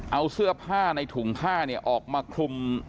เอาเสื้อผ้าในถุงผ้าเนี่ยออกมาคลุม